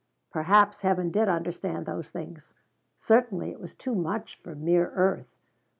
Perhaps heaven did understand those things certainly it was too much for mere earth.